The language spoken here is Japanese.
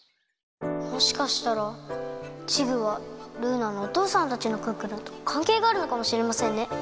もしかしたらチグはルーナのおとうさんたちのクックルンとかんけいがあるのかもしれませんね。